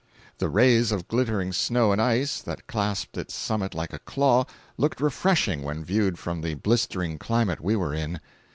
The rays of glittering snow and ice, that clasped its summit like a claw, looked refreshing when viewed from the blistering climate we were in.